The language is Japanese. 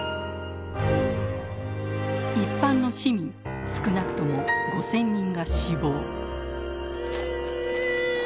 一般の市民少なくとも５，０００人が死亡。